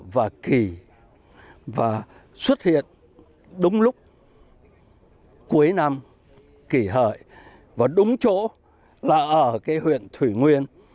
và kỳ và xuất hiện đúng lúc cuối năm kỷ hợi và đúng chỗ là ở cái huyện thủy nguyên